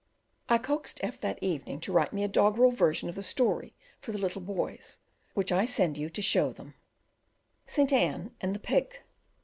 I coaxed F that evening to write me a doggerel version of the story for the little boys, which I send you to show them: St. Anne and the pig.